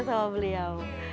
pilihannya sama beliau